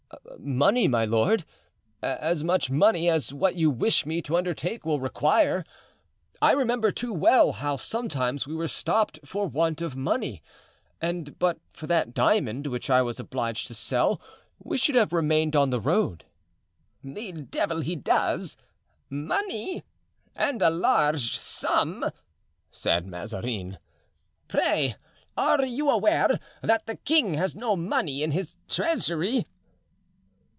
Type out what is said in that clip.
"Money, my lord, as much money as what you wish me to undertake will require. I remember too well how sometimes we were stopped for want of money, and but for that diamond, which I was obliged to sell, we should have remained on the road." "The devil he does! Money! and a large sum!" said Mazarin. "Pray, are you aware that the king has no money in his treasury?"